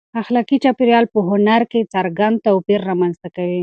اخلاقي چاپېریال په هنر کې څرګند توپیر رامنځته کوي.